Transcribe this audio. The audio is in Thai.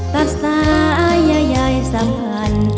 ตัดสายใหญ่สัมพันธ์